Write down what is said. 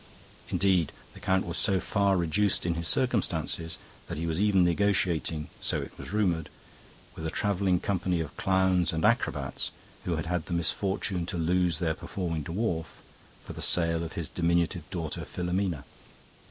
Indeed, the count was so far reduced in his circumstances that he was even then negotiating (so it was rumoured) with a travelling company of clowns and acrobats, who had had the misfortune to lose their performing dwarf, for the sale of his diminutive daughter Filomena.